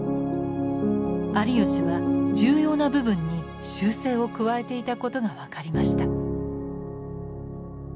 有吉は重要な部分に修正を加えていたことが分かりました。